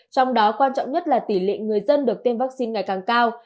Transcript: trong đó quan trọng nhất là tỷ lệ người dân được tiêm vaccine ngày càng cao